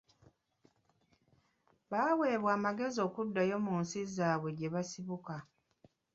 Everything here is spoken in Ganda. Baaweebwa amagezi okuddayo mu nsi zaabwe gye basibuka.